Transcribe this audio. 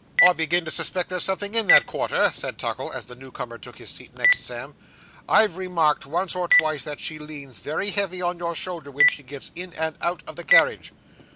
'I begin to suspect there's something in that quarter,' said Tuckle, as the new comer took his seat next Sam, 'I've remarked, once or twice, that she leans very heavy on your shoulder when she gets in and out of the carriage.